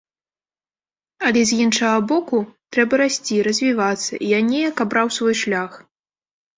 Але з іншага боку, трэба расці, развівацца, і я неяк абраў свой шлях.